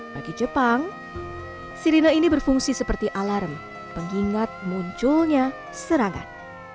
bagi jepang sirine ini berfungsi seperti alarm mengingat munculnya serangan